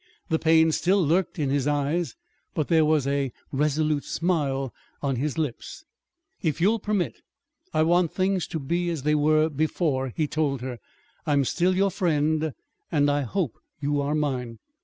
The pain still lurked in his eyes, but there was a resolute smile on his lips. "If you'll permit, I want things to be as they were before," he told her. "I'm still your friend, and I hope you are mine."